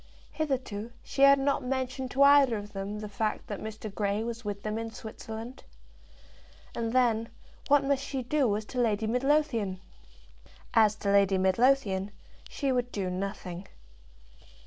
Hitherto she had not mentioned to either of them the fact that Mr. Grey was with them in Switzerland. And, then, what must she do as to Lady Midlothian? As to Lady Midlothian, she would do nothing.